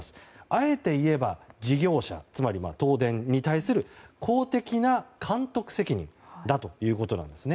あえて言えば、事業者つまり東電に対する公的な監督責任だということなんです。